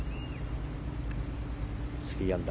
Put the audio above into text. ３アンダー。